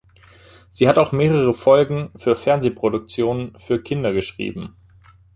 Sie hat auch mehrere Folgen für Fernsehproduktionen für Kinder geschrieben.